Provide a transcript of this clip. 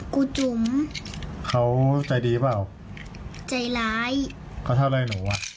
จุ๋มเขาใจดีเปล่าใจร้ายก็เท่าไรหนูอ่ะ